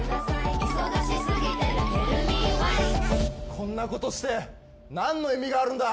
こんなことして何の意味があるんだ？